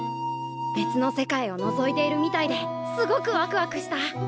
別の世界をのぞいているみたいですごくワクワクした。